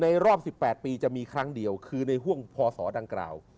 รอบ๑๘ปีจะมีครั้งเดียวคือในห่วงพศดังกล่าว